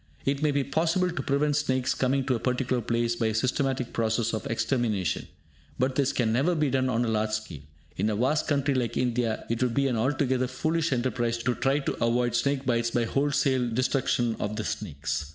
It may be possible to prevent snakes coming to a particular place by a systematic process of extermination, but this can never be done on a large scale. In a vast country like India, it would be an altogether foolish enterprise to try to avoid snake bites by wholesale destruction of the snakes.